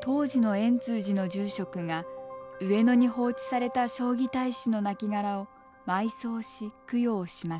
当時の円通寺の住職が上野に放置された彰義隊士の亡骸を埋葬し供養しました。